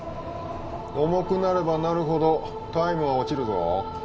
重くなればなるほど、タイムは落ちるぞ。